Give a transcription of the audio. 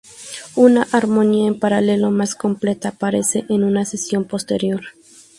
Una armonía en paralelo más completa aparece en una sección posterior.